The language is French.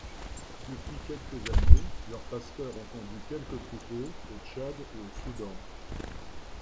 Depuis quelques années leurs pasteurs ont conduit quelques troupeaux au Tchad et au Soudan.